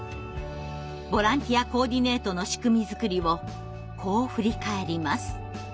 ボランティアコーディネートの仕組み作りをこう振り返ります。